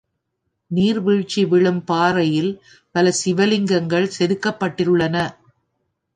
நீர் வீழ்ச்சி விழும் பாறையில் பல சிவலிங்கங்கள் செதுக்கப்பட்டுள்ளன.